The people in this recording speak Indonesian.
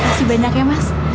terima kasih banyak ya mas